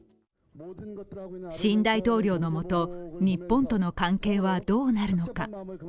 新大統領のもと、日本との関係はどうなるのか。